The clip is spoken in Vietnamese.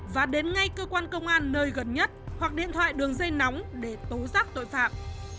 và đến ngay cơ quan công an nơi gần nhất hoặc điện thoại đường dây nóng để tố giác tội phạm